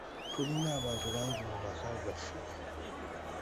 Tulina abantu bangi mu maka gaffe